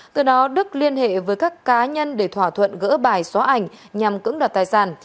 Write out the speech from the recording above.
từ đó đức liên hệ với các cá nhân để thỏa thuận gỡ bài xóa ảnh nhằm cưỡng đoạt tài sản